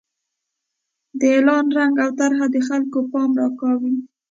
د اعلان رنګ او طرحه د خلکو پام راکاږي.